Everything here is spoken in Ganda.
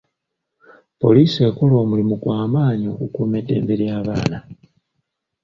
Poliisi ekola omulimu gwa maanyi okukuuma eddembe ly'abaana.